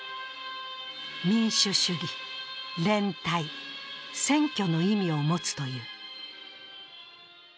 民主主義・連帯・選挙の意味を持つという。